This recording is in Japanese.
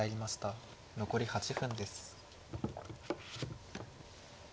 残り８分です。